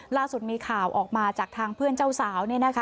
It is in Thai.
ล่าสุดมีข่าวออกมาจากทางเพื่อนเจ้าสาว